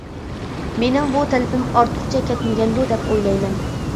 مېنىڭ بۇ تەلىپىم ئارتۇقچە كەتمىگەندۇ، دەپ ئويلايمەن.